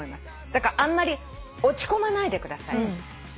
だからあんまり落ち込まないでください。